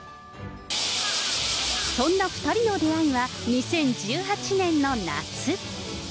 そんな２人の出会いは２０１８年の夏。